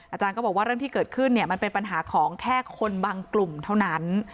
อาจารย์ก็บอกว่าเรื่องที่เกิดขึ้นมันเป็นปัญหาของแค่คนบางกลุ่มเท่านั้น